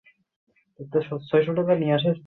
সর্বোচ্চ দরদাতার কাছে মারাত্মক এই ইন্টেল বিক্রি করা।